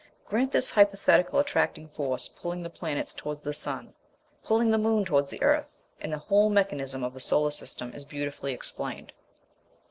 Grant this hypothetical attracting force pulling the planets towards the sun, pulling the moon towards the earth, and the whole mechanism of the solar system is beautifully explained.